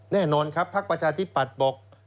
แน่นอนสิครับ